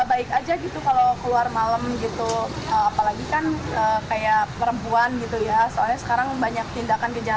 bagi para pekerja kalau begini